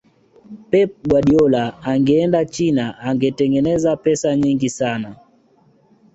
pep guardiola angeenda china angetengeneza pesa nyingi sana